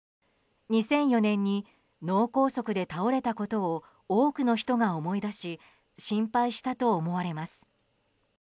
２００４年に脳梗塞で倒れたことを多くの人が思い出し心配したと思われます。